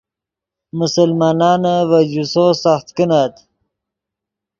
مسلمانانے ڤے جوسو سخت کینت